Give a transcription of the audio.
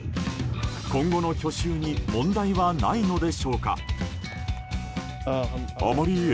今後の去就に問題はないのでしょうか。